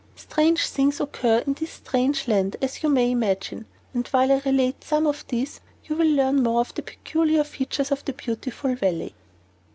Strange things occur in this strange land, as you may imagine; and while I relate some of these you will learn more of the peculiar features of the Beautiful Valley.